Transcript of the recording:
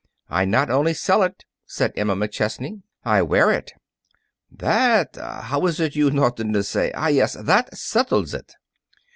"I not only sell it," said Emma McChesney; "I wear it." "That how is it you Northerners say? ah, yes that settles it!"